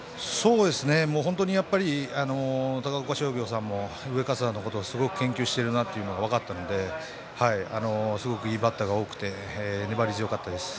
本当に高岡商業さんは上加世田のことをすごく研究しているなということが分かったのですごくいいバッターが多くて粘り強かったです。